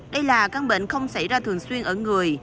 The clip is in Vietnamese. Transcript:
đây là căn bệnh không xảy ra thường xuyên ở người